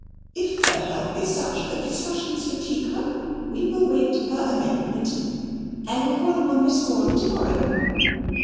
If her health is such that discussions fatigue her, we will wait her amendment. I will call upon Miss Crawley tomorrow."